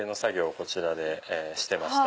こちらでしてました。